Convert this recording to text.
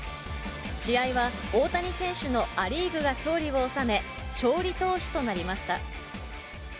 試合は大谷選手のア・リーグが勝利を収め、勝利投手となりました。